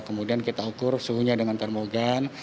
kemudian kita ukur suhunya dengan termogan